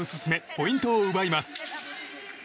ポイントを奪います。